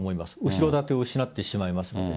後ろ盾を失ってしまいますので。